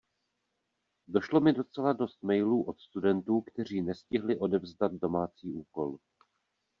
Došlo mi docela dost mailů od studentů, kteří nestihli odevzdat domácí úkol.